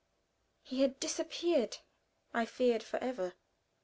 He had disappeared I feared forever.